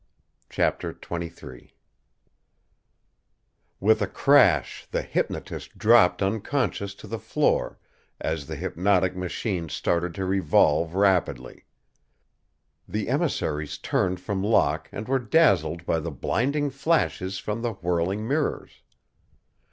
CHAPTER XXIII With a crash the hypnotist dropped unconscious to the floor as the hypnotic machine started to revolve rapidly. The emissaries turned from Locke and were dazzled by the blinding flashes from the whirling mirrors.